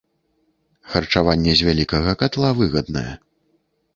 Харчаванне з вялікага катла выгаднае.